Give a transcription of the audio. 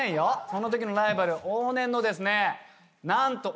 そのときのライバル往年のですね何と。